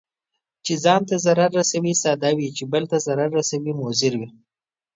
چي ځان ته ضرر رسوي، ساده وي، چې بل ته ضرر رسوي مضر وي.